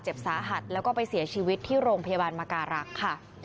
สาหัสแล้วก็ไปเสียชีวิตที่โรงพยาบาลมการรักษ์ค่ะ